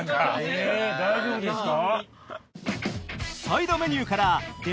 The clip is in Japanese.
大丈夫ですか？